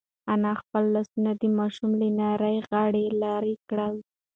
انا خپل لاسونه د ماشوم له نري غاړې لرې کړل.